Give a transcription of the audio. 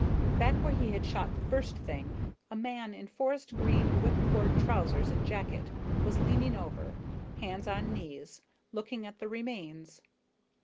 Back where he had shot the first thing, a man in forest green whipcord trousers and jacket was leaning over, hands on knees, looking at the remains.